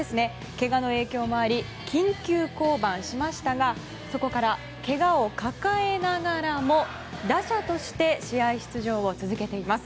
けがの影響もあり緊急降板しましたがそこからけがを抱えながらも打者として試合出場を続けています。